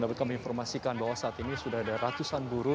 dapat kami informasikan bahwa saat ini sudah ada ratusan buruh